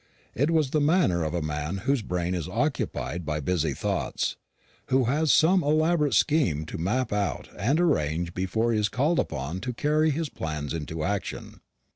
It was the manner of a man whose brain is occupied by busy thoughts; who has some elaborate scheme to map out and arrange before he is called upon to carry his plans into action.